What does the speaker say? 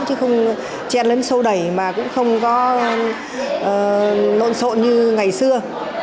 chứ không chen lấn sâu đẩy mà cũng không có nộn sộn như ngày xưa